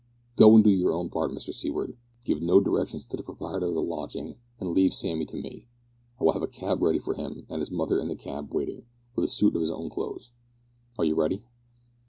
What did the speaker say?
"Go and do your own part, Mr Seaward. Give no directions to the proprietor of the lodging, and leave Sammy to me. I will have a cab ready for him, and his mother in the cab waiting, with a suit of his own clothes. Are you ready?"